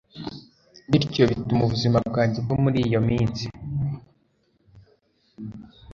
bityo bituma ubuzima bwanjye bwo muri iyo minsi